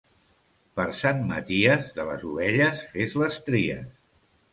Per Sant Maties, de les ovelles fes les tries.